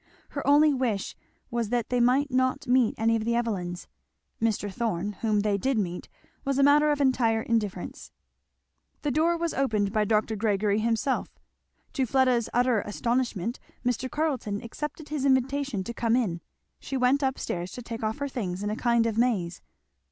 Her only wish was that they might not meet any of the Evelyns; Mr. Thorn, whom they did meet, was a matter of entire indifference. The door was opened by Dr. Gregory himself. To Fleda's utter astonishment Mr. Carleton accepted his invitation to come in. She went up stairs to take off her things in a kind of maze.